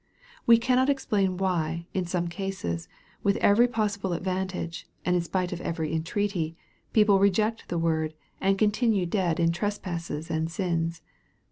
We cannot explain why, in some cases with every possible advantage, and in spite of every entreaty people reject the word, and continue dead in trespasses and sins.